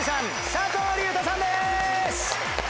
佐藤隆太さんです！